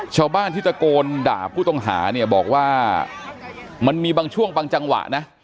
ชาวบ้านที่ตะโกนด่าผู้ต้องหาเนี่ยบอกว่ามันมีบางช่วงบางจังหวะนะ